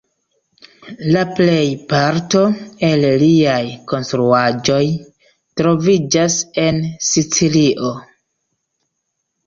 La plejparto el liaj konstruaĵoj troviĝas en Sicilio.